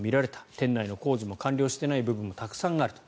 店内の工事も完了していない部分もたくさんある。